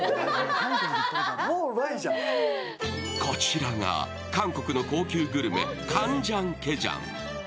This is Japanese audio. こちらが韓国の高級グルメ、カンジャンケジャン。